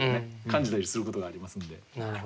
感じたりすることがありますんで。